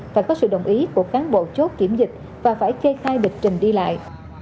phải có sự đồng ý của cán bộ chốt kiểm dịch và phải kê khai lịch trình đi lại